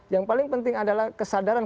yang paling penting adalah kesadaran